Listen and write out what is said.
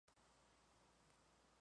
Pertenece a una familia de guardametas.